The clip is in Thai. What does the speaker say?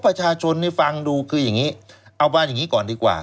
ประชาชนนี่ฟังดูคืออย่างนี้เอาบ้านอย่างนี้ก่อนดีกว่า